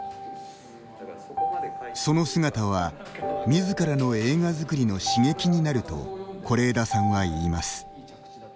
その姿は、みずからの映画作りの刺激になると是枝さんは言います。